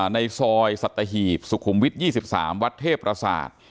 ในซอยสัตหีบสุขุมวิทย์ยี่สิบสามวัดเทพรศาสตร์